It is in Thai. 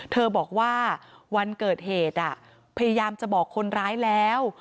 เธอบอกว่าวันเกิดเหตุพยายามจะบอกคนร้ายแล้ว